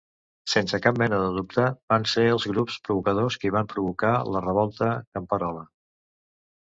Sense cap mena de dubte, van ser els grups provocadors qui van provocar la Revolta Camperola.